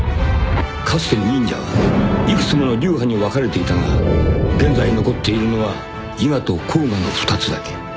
［かつて忍者は幾つもの流派に分かれていたが現在残っているのは伊賀と甲賀の２つだけ］